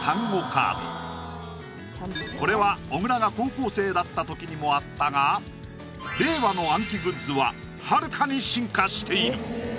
カードこれは小倉が高校生だった時にもあったが令和の暗記グッズははるかに進化している！